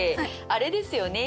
あれですよね？